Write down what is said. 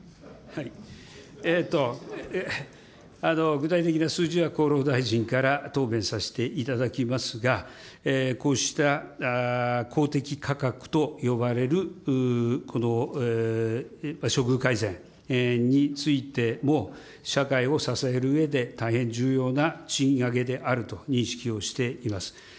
具体的な数字は厚労大臣から答弁させていただきますが、こうした公的価格と呼ばれるこの処遇改善についても、社会を支えるうえで大変重要な賃上げであると認識をしています。